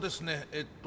えっと